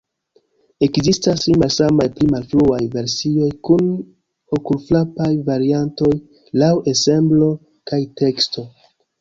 Ekzistas tri malsamaj pli malfruaj versioj kun okulfrapaj variantoj laŭ ensemblo kaj teksto.